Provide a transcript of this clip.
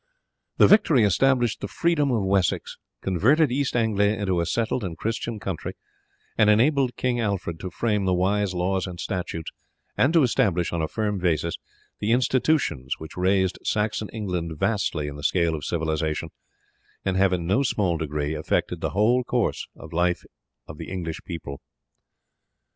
The victory established the freedom of Wessex, converted East Anglia into a settled and Christian country, and enabled King Alfred to frame the wise laws and statutes and to establish on a firm basis the institutions which raised Saxon England vastly in the scale of civilization, and have in no small degree affected the whole course of life of the English people.